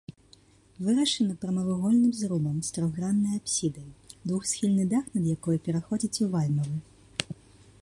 Вырашана прамавугольным зрубам з трохграннай апсідай, двухсхільны дах над якой пераходзіць у вальмавы.